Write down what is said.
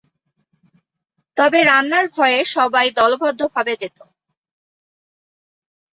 তবে রানার ভয়ে সবাই দলবদ্ধ ভাবে যেত।